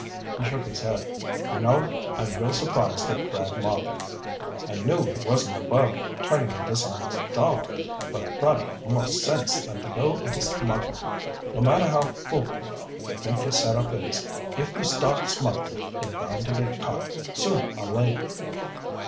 He shook his head. "You know, I'm real surprised at Brad Marbek. I knew he wasn't above turning a dishonest dollar, but I thought he had more sense than to go into smuggling. No matter how foolproof you think your setup is, if you start smuggling you're bound to get caught. Sooner or later."